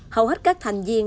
hầu hết các thành viên